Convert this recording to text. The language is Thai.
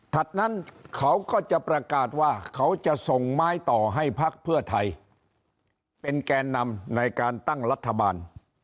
นั้นเขาก็จะประกาศว่าเขาจะส่งไม้ต่อให้พักเพื่อไทยเป็นแกนนำในการตั้งรัฐบาล